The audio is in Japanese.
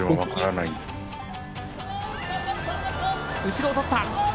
後ろをとった。